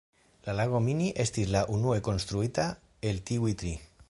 La lago Mini estis la unue konstruita el tiuj tri.